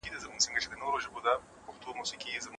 ایا بهرني سوداګر وچ توت پلوري؟